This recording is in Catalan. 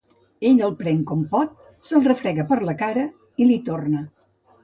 Ell el pren com pot, se'l refrega per la cara i l'hi torna.